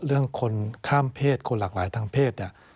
เรื่องคนข้ามเพศคนหลากหลายทางเพศเนี่ย